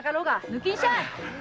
抜きんしゃい！